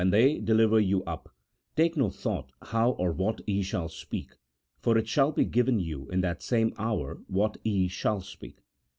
161 they deliver you up, take no thought how or what ye shall speak, for it shall be given you in that same hour what ye shall speak."